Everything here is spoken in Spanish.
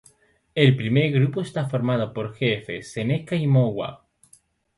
El primer grupo está formado por jefes Seneca y Mohawk.